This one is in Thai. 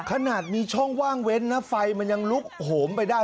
ขนาดมีช่องว่างเว้นนะไฟมันยังลุกโหมไปได้